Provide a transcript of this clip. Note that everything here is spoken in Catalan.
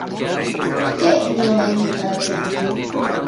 Què no va invocar l'executiu?